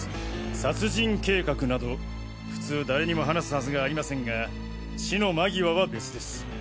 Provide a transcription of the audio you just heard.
殺人計画など普通誰にも話すはずがありませんが死の間際は別です。